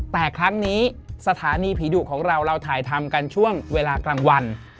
แต่ครั้งนี้สถานีผีดุของเราเราถ่ายทำกันช่วงเวลากลางวัน